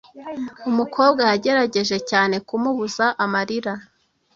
Umukobwa yagerageje cyane kumubuza amarira.